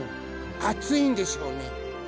あついんでしょうね。